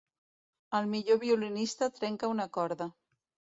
El millor violinista trenca una corda.